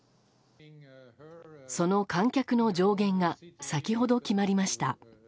その観客の上限が先ほど決まりました。